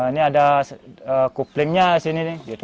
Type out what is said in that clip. ini ada kuplingnya di sini gitu